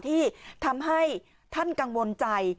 ที่ทำให้ท่านกังวลใจ